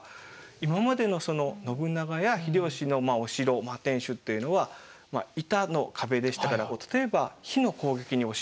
今までのその信長や秀吉のお城天守っていうのは板の壁でしたから例えば火の攻撃にお城